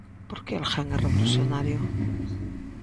Por que alguén é revolucionario?